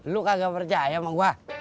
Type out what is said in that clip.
lu kagak percaya sama gua